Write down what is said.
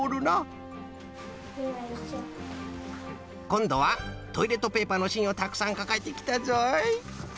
こんどはトイレットペーパーのしんをたくさんかかえてきたぞい。